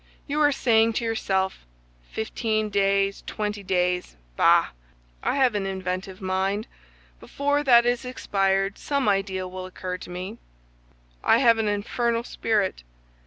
You are saying to yourself: 'Fifteen days, twenty days? Bah! I have an inventive mind; before that is expired some idea will occur to me. I have an infernal spirit.